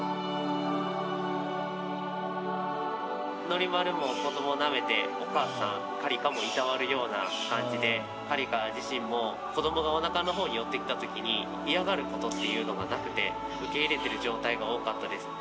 ノリマルも子どもなめてお母さんカリカもいたわるような感じでカリカ自身も子どもがお腹の方に寄っていった時に嫌がることっていうのがなくて受け入れてる状態が多かったです。